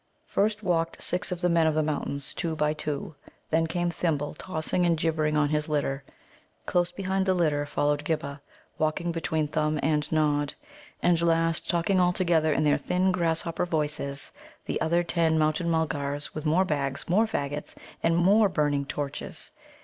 First walked six of the Men of the Mountains, two by two. Then came Thimble, tossing and gibbering on his litter. Close behind the litter followed Ghibba, walking between Thumb and Nod. And last, talking all together in their thin grasshopper voices, the other ten Mountain mulgars with more bags, more faggots, and more burning torches.